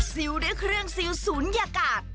ซิลด้วยเครื่องซิลศูนยากาศ